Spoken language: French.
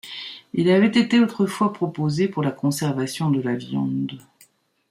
Il avait été autrefois proposé pour la conservation de la viande.